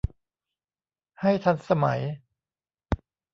ให้ทันสมัย